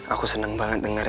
aku seneng banget denger ya